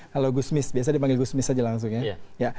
halo gusmis biasa dipanggil gusmis saja langsung ya